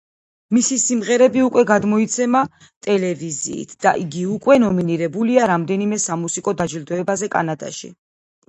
მისი სიმღერები უკვე გადმოიცემა ტელევიზიით და იგი უკვე ნომინირებულია რამდენიმე სამუსიკო დაჯილდოებაზე კანადაში.